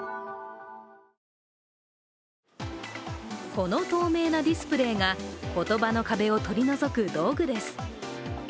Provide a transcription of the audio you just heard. この透明なディスプレーが言葉の壁を取り除く道具です。